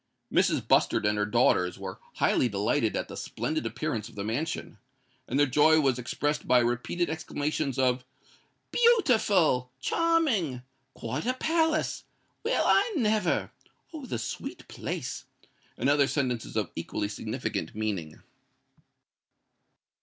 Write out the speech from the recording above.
Mrs. Bustard and her daughters were highly delighted at the splendid appearance of the mansion; and their joy was expressed by repeated exclamations of "Beautiful!"—"Charming!"—"Quite a palace!"—"Well, I never!"—"Oh! the sweet place!"—and other sentences of equally significant meaning.